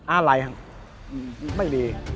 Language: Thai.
อาร์ไลน์ไม่มี